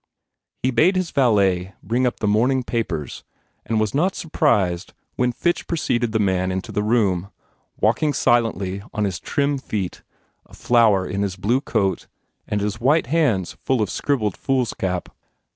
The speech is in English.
He bade his valet bring up the morning papers and was not surprised when Fitch preceded the man into the room, walking silently on his trim feet, a flower in his blue coat and his white hands full of scribbled foolscap.